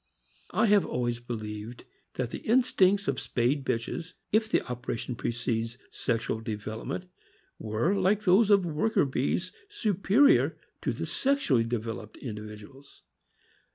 I have always believed that the instincts of spayed bitches, if the operation precedes sexual devel opment, were, like those of worker bees, superior to the sexually developed individuals.